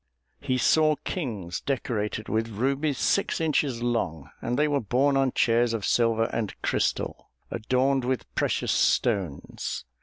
He saw kings decorated with rubies six inches long; and they were borne on chairs of silver and crystal, adorned with precious stones.